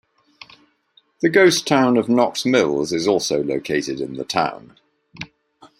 The ghost town of Knox Mills is also located in the town.